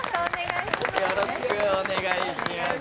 よろしくお願いします。